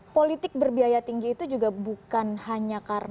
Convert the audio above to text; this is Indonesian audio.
politik berbiaya tinggi itu juga bukan hanya karena